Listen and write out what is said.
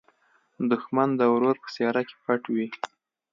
دښمن د ورور په څېره کې پټ وي